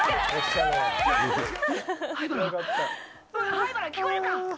灰原、聞こえるか？